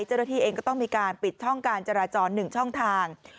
เจ้าหน้าที่เองก็ต้องมีการปิดช่องการจราจร๑ช่องทาง